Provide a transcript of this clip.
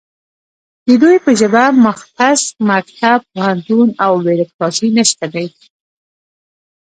د دوی په ژبه مختص مکتب، پوهنتون او بیرکراسي نشته دی